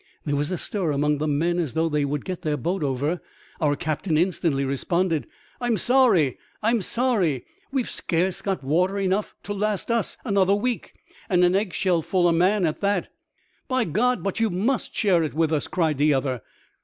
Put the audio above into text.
There was a stir among the men as though they would get their boat over. Our captain instantly responded —I'm sorry, I'm sorry. We've scarce got water ourselves to last us another week, and an eggshellful a man at that." "By God, but you must share it with us!" cried the other.